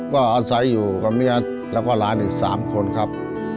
ก็อาศัยอยู่กับเมียแล้วก็หลานอีก๓คนครับ